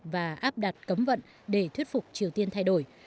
và áp đặt cấm vận để thuyết phục triều tiên thay đổi